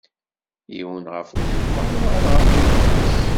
Yiwen ɣef uẓelmaḍ wayeḍ ɣef uyeffus.